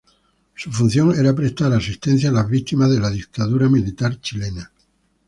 Su función era prestar asistencia a las víctimas de la dictadura militar chilena.